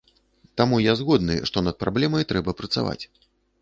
Таму я згодны, што над праблемай трэба працаваць.